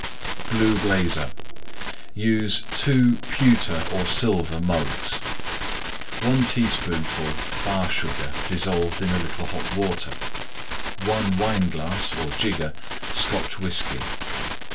BLUE BLAZER Use two Pewter or Silver Mugs. 1 teaspoonful Bar Sugar dissolved in a little Hot Water. 1 Wineglass (or jigger) Scotch Whiskey.